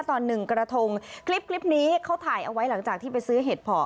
ตอน๑กระทงคลิปนี้เขาถ่ายเอาไว้หลังจากที่ไปซื้อเห็ดผอ